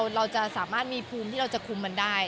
เราจะสามารถมีภูมิที่เราจะคุมมันได้